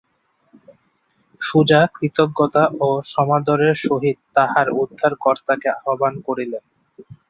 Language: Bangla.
সুজা কৃতজ্ঞতা ও সমাদরের সহিত তাঁহার উদ্ধারকর্তাকে আহ্বান করিলেন।